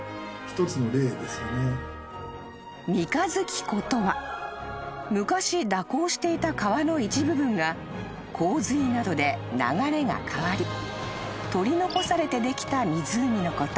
［三日月湖とは昔蛇行していた川の一部分が洪水などで流れが変わり取り残されてできた湖のこと］